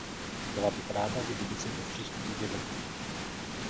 Byla bych ráda, kdyby si to všichni uvědomili.